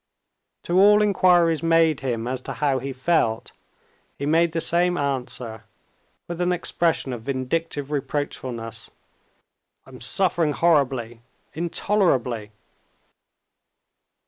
To all inquiries made him as to how he felt, he made the same answer with an expression of vindictive reproachfulness, "I'm suffering horribly, intolerably!"